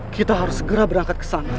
kita harus segera berangkat kesana